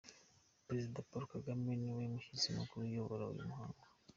Perezida Paul Kagame ni we mushyitsi mukuru urayobora uwo muhango.